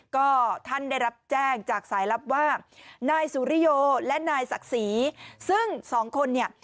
ก็ท่านได้รับแจ้งจากสายลับว่านายสุริโยและนายศักดิ์ศรีซึ่งสองคนเนี่ย